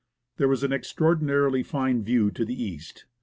There was an extraordinarily fine view to the east.